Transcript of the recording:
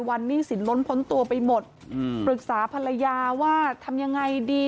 หนี้สินล้นพ้นตัวไปหมดปรึกษาภรรยาว่าทำยังไงดี